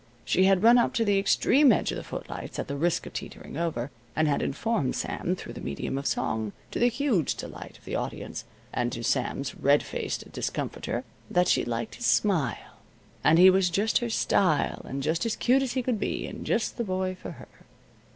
She had run up to the extreme edge of the footlights at the risk of teetering over, and had informed Sam through the medium of song to the huge delight of the audience, and to Sam's red faced discomfiture that she liked his smile, and he was just her style, and just as cute as he could be, and just the boy for her.